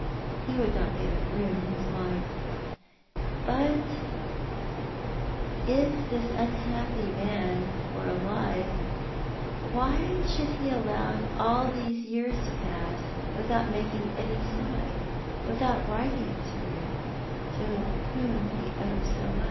He would not give it room in his mind. " But if this unhappy man were alive, why should he have allowed all these years to pass without making any sign — with out writing to you, to whom he owes so much